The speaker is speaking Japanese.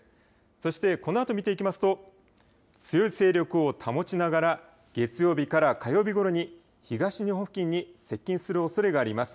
そしてこのあと見ていきますと強い勢力を保ちながら月曜日から火曜日ごろに東日本付近に接近するおそれがあります。